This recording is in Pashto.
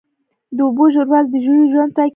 د اوبو ژوروالی د ژویو ژوند ټاکي.